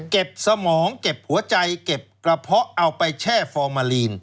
สมองเก็บหัวใจเก็บกระเพาะเอาไปแช่ฟอร์มาลีน